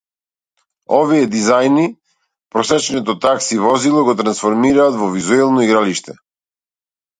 Овие дизајни, просечното такси возило го трансформираат во визуелно игралиште.